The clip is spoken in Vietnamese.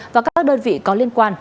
và các đơn vị có liên quan